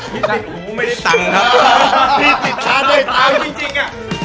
ดิติคลานไม่ต่าง